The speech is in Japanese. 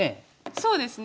そうですね